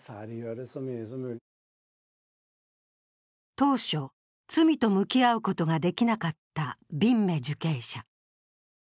当初、罪と向き合うことができなかったビンメ受刑者。